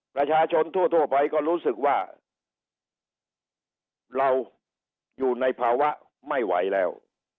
ประชาชนทั่วไปก็รู้สึกว่าเราอยู่ในภาวะไม่ไหวแล้ว